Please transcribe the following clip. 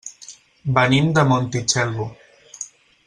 Venim de Montitxelvo.